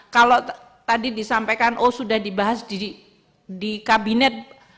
kalau tadi disampaikan oh sudah dibahas di kabinet